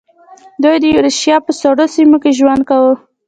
دوی د یوریشیا په سړو سیمو کې ژوند کاوه.